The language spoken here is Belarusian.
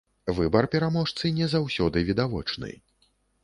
Выбар пераможцы не заўсёды відавочны.